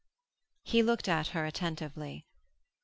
He looked at her attentively.